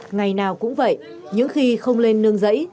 ngày nào cũng vậy những khi không lên nương giấy